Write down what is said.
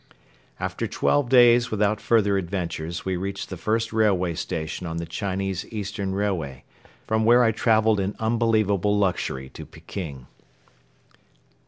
After twelve days without further adventures we reached the first railway station on the Chinese Eastern Railway, from where I traveled in unbelievable luxury to Peking.